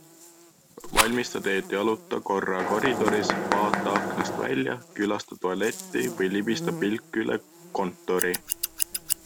Valmista teed, jaluta korra koridoris, vaata aknast välja, külasta tualetti või libista pilk üle kontori.